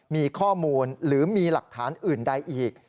มีข้อมูลหรือมีหลักฐานอื่นใดอีก